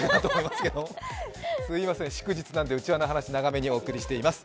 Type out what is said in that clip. すいません、祝日なんで、内輪の話、長めにしています。